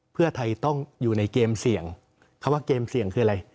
เพื่อไทยต้องอยู่ในเกมเสี่ยงคำว่าเกมเสี่ยงคืออะไร